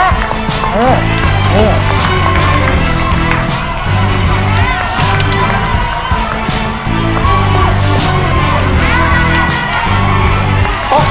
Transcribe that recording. เวลามีเท่ามากเลยครับ